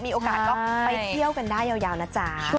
มีโอกาสก็ไปเที่ยวกันได้ยาวนะจ๊ะ